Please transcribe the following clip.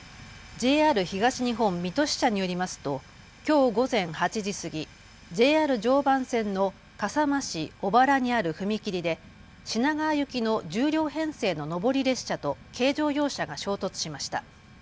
ＪＲ東日本水戸支社によりますときょう午前８時過ぎＪＲ常磐線の笠間市小原にある踏切で品川行きの１０両編成の上り列車と軽乗用車が衝突しました。